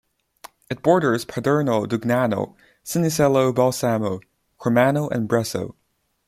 It borders Paderno Dugnano, Cinisello Balsamo, Cormano and Bresso.